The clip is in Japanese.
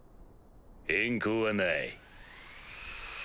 変更はない。